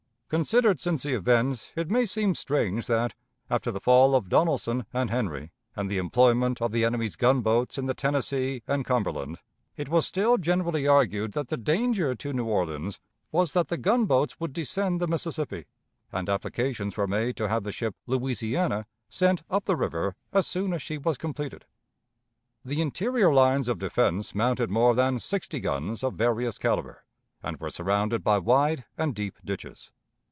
Considered since the event, it may seem strange that, after the fall of Donelson and Henry, and the employment of the enemy's gunboats in the Tennessee and Cumberland, it was still generally argued that the danger to New Orleans was that the gunboats would descend the Mississippi, and applications were made to have the ship Louisiana sent up the river as soon as she was completed. The interior lines of defense mounted more than sixty guns of various caliber, and were surrounded by wide and deep ditches.